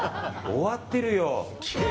終わってるよ。